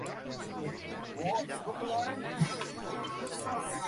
Currently, no passenger or freight services use the river at Whitehorse.